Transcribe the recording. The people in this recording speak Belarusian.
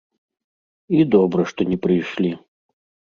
І добра што не прыйшлі.